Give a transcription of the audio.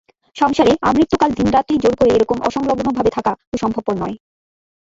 সংসারে আমৃত্যুকাল দিনরাত্রি জোর করে এরকম অসংলগ্নভাবে থাকা তো সম্ভবপর নয়।